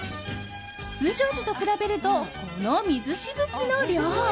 通常時と比べるとこの水しぶきの量。